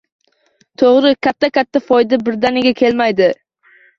To’g’ri, katta-katta foyda birdaniga kelmaydi